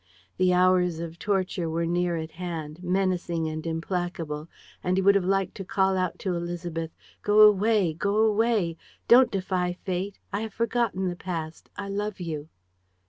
The hours of torture were near at hand, menacing and implacable, and he would have liked to call out to Élisabeth: "Go away, go away! Don't defy Fate! I have forgotten the past. I love you."